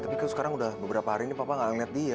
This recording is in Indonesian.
tapi kan sekarang udah beberapa hari ini papa nggak liat dia